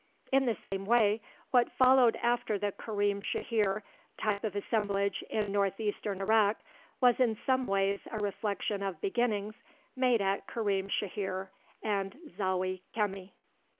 In the same way, what followed after the Karim Shahir type of assemblage in northeastern Iraq was in some ways a reflection of beginnings made at Karim Shahir and Zawi Chemi.